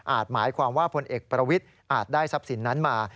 หมายความว่าพลเอกประวิทย์อาจได้ทรัพย์สินนั้นมา